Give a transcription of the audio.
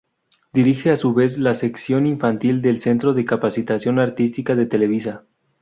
Dirige a su vez la sección infantil del Centro de Capacitación Artística de Televisa.